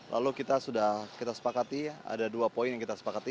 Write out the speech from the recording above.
lalu kita sudah kita sepakati ada dua poin yang kita sepakati